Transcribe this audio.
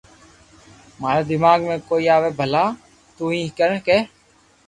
ماري دماغ ۾ ڪوئي آوي ڀلا تو تي ڪي